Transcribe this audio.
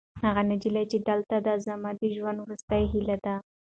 هغه نجلۍ چې دلته ده، زما د ژوند وروستۍ هیله ده.